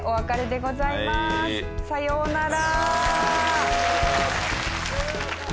さようなら。